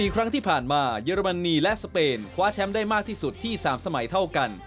ครั้งที่ผ่านมาเยอรมนีและสเปนคว้าแชมป์ได้มากที่สุดที่๓สมัยเท่ากัน